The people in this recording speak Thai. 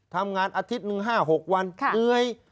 อาทิตย์หนึ่ง๕๖วันเหนื่อย